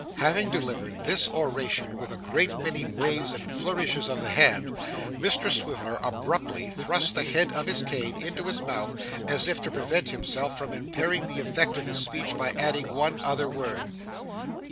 Having delivered this oration with a great many waves and flourishes of the hand, Mr Swiveller abruptly thrust the head of his cane into his mouth as if to prevent himself from impairing the effect of his speech by adding one other word.